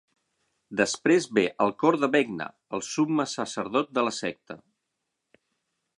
Després ve el Cor de Vecna, el summe sacerdot de la secta.